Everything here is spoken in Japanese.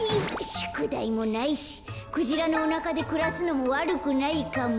しゅくだいもないしクジラのおなかでくらすのもわるくないかも。